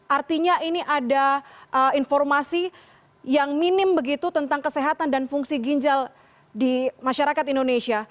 artinya ini ada informasi yang minim begitu tentang kesehatan dan fungsi ginjal di masyarakat indonesia